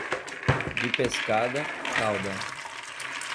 De pescada, cauda.